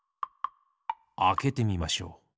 あけてみましょう。